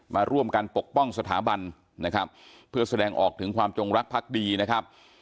มาร่วมกันปกป้องสถาบันนะครับเพื่อแสดงออกถึงความจงรักพักดีนะครับ